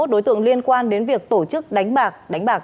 ba mươi một đối tượng liên quan đến việc tổ chức đánh bạc